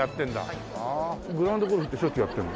グラウンド・ゴルフってしょっちゅうやってるの？